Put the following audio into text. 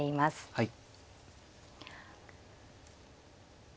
はい。